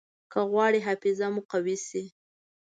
که غواړئ حافظه مو قوي شي.